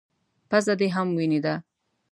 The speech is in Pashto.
_پزه دې هم وينې ده.